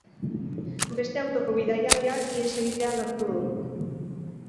Beste autoko bidaiariak ihes egitea lortu du.